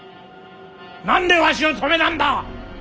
何でわしを止めなんだ！